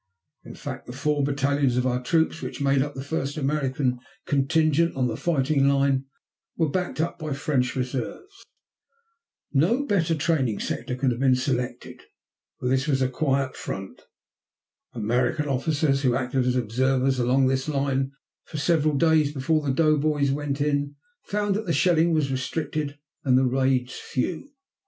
In fact, the four battalions of our troops which made up the first American contingent on the fighting line were backed up by French reserves. No better training sector could have been selected, for this was a quiet front. American officers who acted as observers along this line for several days before the doughboys went in found that shelling was restricted and raids few.